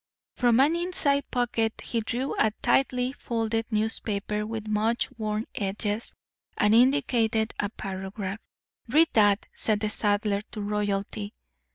From an inside pocket he drew a tightly folded newspaper with much worn edges, and indicated a paragraph. "Read that," said the saddler to royalty.